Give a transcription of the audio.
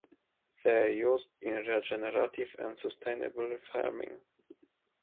They are used in regenerative and sustainable farming.